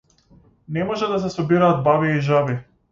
Не може да се собираат баби и жаби.